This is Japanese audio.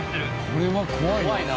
これは怖いな。